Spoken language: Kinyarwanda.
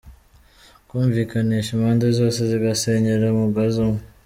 -Kumvikanisha impande zose zigasenyera umugozi umwe